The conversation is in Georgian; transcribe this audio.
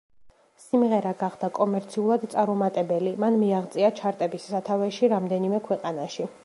სიმღერა გახდა კომერციულად წარუმატებელი, მან მიაღწია ჩარტების სათავეში რამდენიმე ქვეყანაში.